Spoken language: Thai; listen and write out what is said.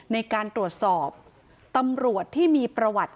ในการตรวจสอบตำรวจที่มีประวัติ